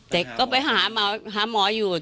ก็ไปหาหมออยู่